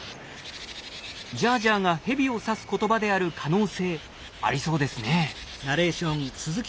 「ジャージャー」がヘビを指す言葉である可能性ありそうですね。